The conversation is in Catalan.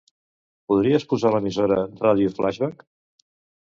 Podries posar l'emissora "Ràdio Flaixbac"?